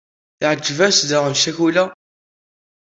Teɛǧeb-as daɣen ccakula.